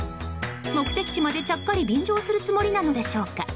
目的地までちゃっかり便乗するつもりなのでしょうか。